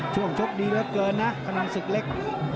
ชกดีเหลือเกินนะขนองศึกเล็ก